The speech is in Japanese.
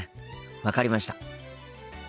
分かりました。